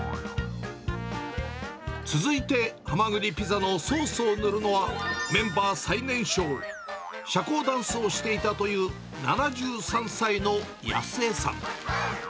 続いて、はまぐりピザのソースを塗るのは、メンバー最年少、社交ダンスをしていたという７３歳のやす江さん。